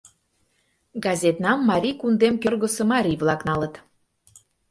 Газетнам Марий кундем кӧргысӧ марий-влак налыт.